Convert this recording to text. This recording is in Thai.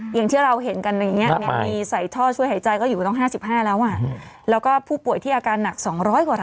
อย่างที่เราเห็นกันอย่างนี้มีใส่ท่อช่วยหายใจก็อยู่กันต้อง๕๕แล้วแล้วก็ผู้ป่วยที่อาการหนัก๒๐๐กว่าราย